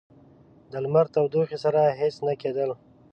د لمر تودوخې سره هیڅ نه کېدل.